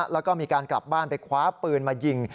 แล้วก็มีการกลับบ้านไปคว้าปืนมายิง